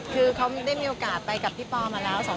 คือเขามีโอกาสไปกับพี่ปอล์มาแล้ว๒๓ครั้ง